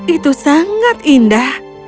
itu sangat indah